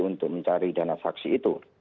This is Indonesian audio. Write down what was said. untuk mencari dana saksi itu